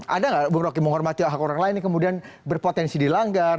ada nggak bung roky menghormati hak hak orang lain yang kemudian berpotensi dilanggar